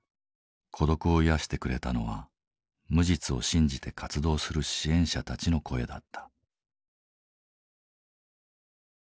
孤独を癒やしてくれたのは無実を信じて活動する支援者たちの声だった。